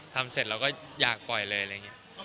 ทำเสร็จเราก็อยากปล่อยเลยอะไรอย่างนี้